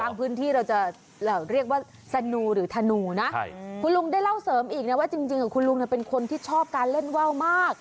พื้นที่เราจะเรียกว่าสนูหรือธนูนะคุณลุงได้เล่าเสริมอีกนะว่าจริงคุณลุงเป็นคนที่ชอบการเล่นว่าวมาก